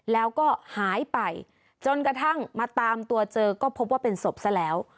แล้วก็หายไปจนกระทั่งมาตามตัวเจอก็พบว่าเป็นศพซะแล้ว